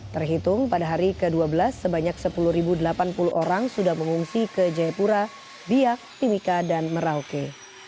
terhitung pada hari ke dua belas sebanyak sepuluh delapan puluh orang sudah mengungsi ke jayapura biak timika dan merauke